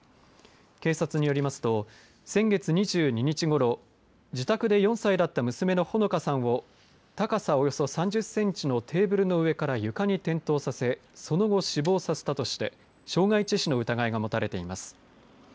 警察によりますと先月２２日ごろ自宅で４歳だった娘のほのかさんを高さ、およそ３０センチのテーブルの上から床に転倒させその後、死亡させたとして傷害致死の疑いが持たれています。